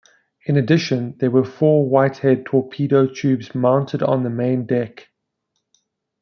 In addition, there were four Whitehead torpedo tubes mounted on the main deck.